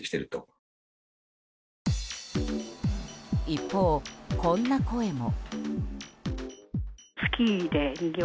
一方、こんな声も。